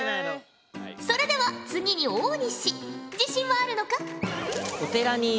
それでは次に大西自信はあるのか？